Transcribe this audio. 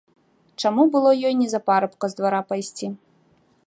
Чаму было ёй не за парабка з двара пайсці.